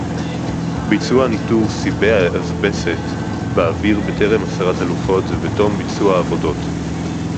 ביצוע ניטור סיבי האזבסט באוויר בטרם הסרת הלוחות ובתום ביצוע העבודות